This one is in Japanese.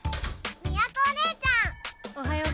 都おねえちゃん。